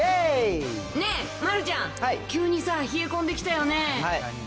ねえ、丸ちゃん、急にさ、冷え込んできたよね。